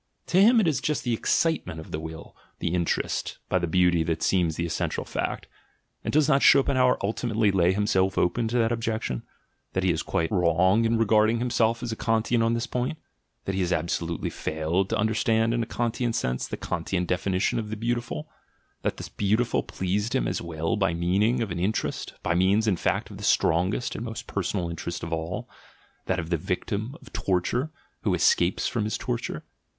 To him it is just the excitement of the will (the "interest") by the beauty that seems the essential fact. And does not Schopenhauer ultimately lay himself open to the objection, that he is quite wrong in regarding himself as a Kantian on this point, that he has absolutely failed to understand in a Kantian sense the Kantian definition of the beautiful — that the beautiful pleased him as well by means of an interest, by means, in fact, of the strong est and most personal interest of all, that of the victim of torture who escapes from his torture?